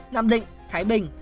nam định thái bình